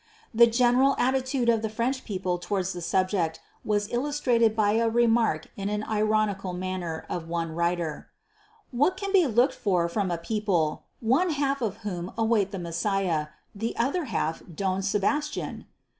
The general attitude of the French people towards the subject was illustrated by a remark in an ironical manner of one writer: "what can be looked for from a people, one half of whom await the Messiah, the other half Don Sebastian?"